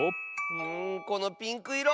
うんこのピンクいろ